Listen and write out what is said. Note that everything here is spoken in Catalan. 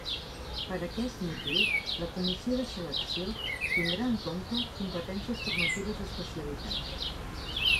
Per aquest motiu, la comissió de selecció tindrà en compte competències formatives d'especialitat.